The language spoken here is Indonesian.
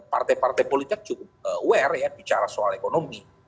partai partai politik cukup aware ya bicara soal ekonomi